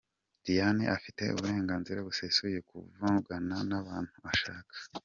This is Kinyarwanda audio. Diane afite uburenganzira busesuye kuvugana n’abantu ashaka.